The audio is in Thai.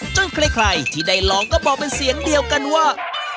ใครที่ได้ลองก็บอกเป็นเสียงเดียวกันว่า